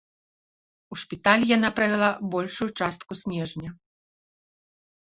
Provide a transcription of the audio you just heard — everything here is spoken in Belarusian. У шпіталі яна правяла большую частку снежня.